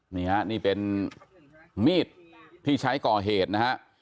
นี่ฮะนี่เป็นมีดที่ใช้ก่อเหตุนะฮะ